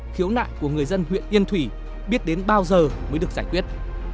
khiếu nại của người dân huyện yên thủy biết đến bao giờ mới được giải quyết